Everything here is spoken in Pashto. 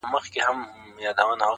لويي څپې به لکه غرونه راځي-